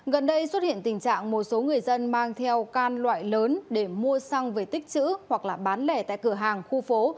gần đây xuất hiện tình trạng một số người dân mang theo can loại lớn để mua xăng về tích chữ hoặc là bán lẻ tại cửa hàng khu phố